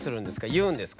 言うんですか？